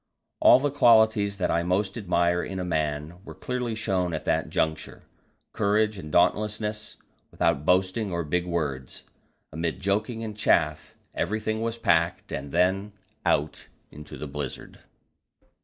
All the qualities that I most admire in a man were clearly shown at that juncture: courage and dauntlessness, without boasting or big words. Amid joking and chaff, everything was packed, and then out into the blizzard.